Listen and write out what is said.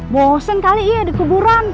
bosen kali iya dikuburan